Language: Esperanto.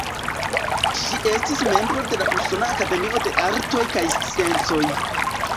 Ŝi estis membro de la Usona Akademio de Artoj kaj Sciencoj.